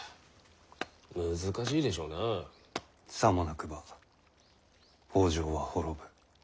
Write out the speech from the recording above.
さもなくば北条は滅ぶ。